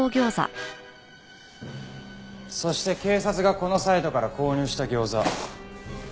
そして警察がこのサイトから購入した餃子。